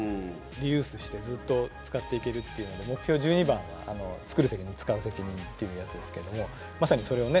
リユースしてずっと使っていけるっていうので目標１２番が「つくる責任つかう責任」っていうやつですけどもまさにそれをね